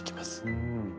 うん。